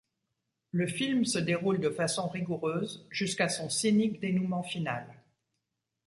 Le film se déroule de façon rigoureuse, jusqu'à son cynique dénouement final.